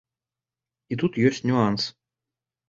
І тут ёсць нюанс.